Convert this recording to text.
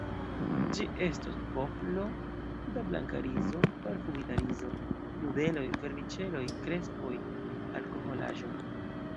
Ĝi estos bovlo da blanka rizo, parfumita rizo, nudeloj, vermiĉeloj, krespoj, alkoholaĵo.